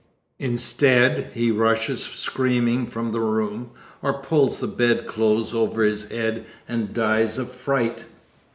Instead, he rushes screaming from the room or pulls the bedclothes over his head and dies of fright.